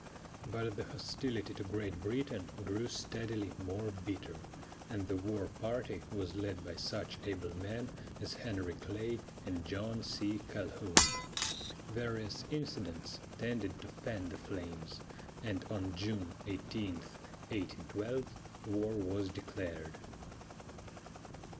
But the hostility to Great Britain grew steadily more bitter, and the war party was led by such able men as Henry Clay and John C. Calhoun. Various incidents tended to fan the flames, and on June 18, 1812, war was declared.